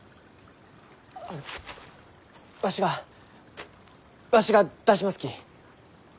あわしがわしが出しますき。